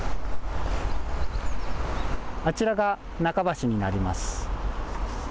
あちらが中橋になります。